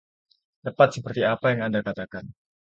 Tepat seperti apa yang Anda katakan.